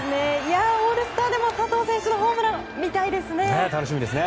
オールスターでも佐藤選手のホームラン楽しみですね。